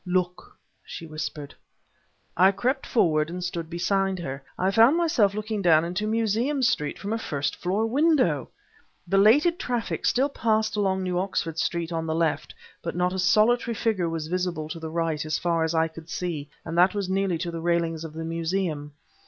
"Look!" she whispered. I crept forward and stood beside her. I found myself looking down into Museum Street from a first floor window! Belated traffic still passed along New Oxford Street on the left, but not a solitary figure was visible to the right, as far as I could see, and that was nearly to the railings of the Museum.